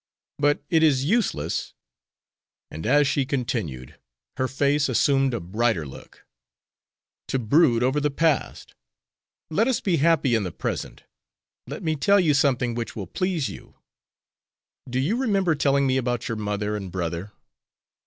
But it is useless," and as she continued her face assumed a brighter look, "to brood over the past. Let us be happy in the present. Let me tell you something which will please you. Do you remember telling me about your mother and brother?"